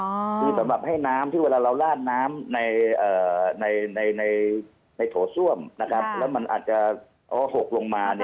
คือสำหรับให้น้ำที่เวลาเราลาดน้ำในในโถส้วมแล้วมันอาจจะหกลงมา